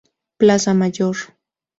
Plaza Mayor.